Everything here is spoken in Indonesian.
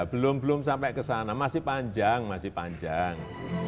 belum belum sampai ke sana masih panjang masih panjang